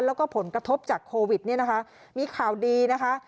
แล้วก็ผลกระทบจากโควิดเนี่ยนะคะมีข่าวดีนะคะ